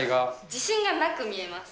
自信がなく見えます。